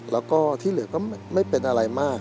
แล้วก็ที่เหลือก็ไม่เป็นอะไรมาก